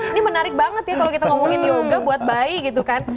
ini menarik banget ya kalau kita ngomongin yoga buat bayi gitu kan